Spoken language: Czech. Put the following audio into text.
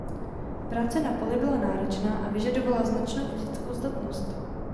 Práce na poli byla náročná a vyžadovala značnou fyzickou zdatnost.